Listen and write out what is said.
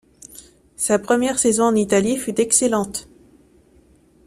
Sa première saison en Italie fut excellente.